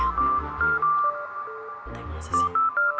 tidak ada masa sih